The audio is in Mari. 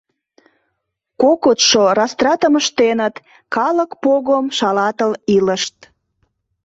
Кокытшо растратым ыштеныт, калык погым шалатыл илышт.